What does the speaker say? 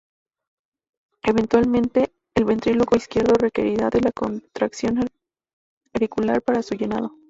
Eventualmente, el ventrículo izquierdo requerirá de la contracción auricular para su llenado.